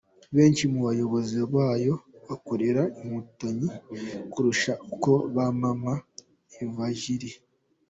Benshi mu bayobozi bayo bakorera Inkotanyi kurusha uko bamama Ivanjili.